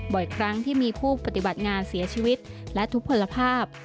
บ่อยครั้งที่มีผู้ปฏิบัติงานเสียชีวิตและทุกผลภาพ